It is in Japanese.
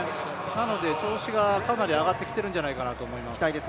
なので調子がかなり上がってきているんじゃないかと思います。